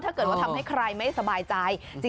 ถ้าเกิดว่าทำให้ใครไม่สบายใจ